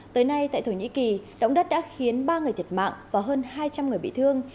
tới nay tại thổ nhĩ kỳ động đất đã khiến ba người thiệt mạng và hơn hai trăm linh người bị thương